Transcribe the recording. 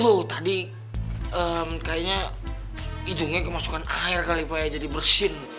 oh tadi kayaknya ujungnya kemasukan air kali pak ya jadi bersin